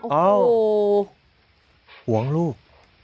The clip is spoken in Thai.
อ้อหูหวงลูก